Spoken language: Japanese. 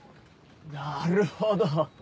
なるほど。